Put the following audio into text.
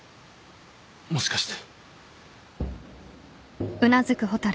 もしかして。